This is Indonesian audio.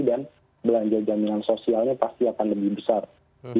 dan belanja jaminan sosialnya pasti akan lebih besar di dua ribu dua puluh dua